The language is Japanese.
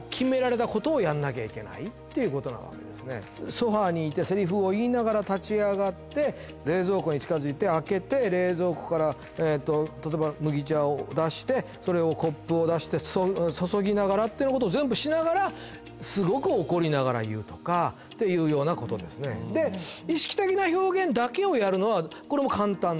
ソファーにいてセリフを言いながら立ち上がって冷蔵庫に近づいて開けて冷蔵庫から例えば麦茶を出してそれをコップを出して注ぎながらってなことを全部しながらすごく怒りながら言うとかっていうようなことですねなんですね